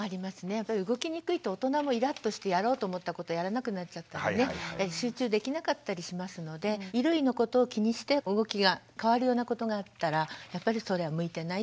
やっぱり動きにくいと大人もイラッとしてやろうと思ったことをやらなくなっちゃったりね集中できなかったりしますので衣類のことを気にして動きが変わるようなことがあったらやっぱりそれは向いてない。